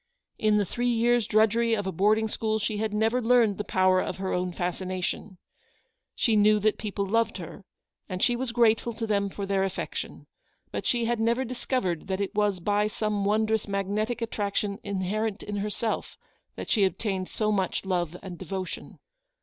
In the three years' drudgery of a boarding school she had never learned the power of her own fascination. She knew that people loved her, and she was grateful 204 Eleanor's victory. to them for their affection; but she had never discovered that it was by some wondrous mag netic attraction inherent in herself, that she ob tained so much love and devotion.